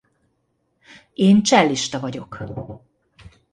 Én csellista vagyok.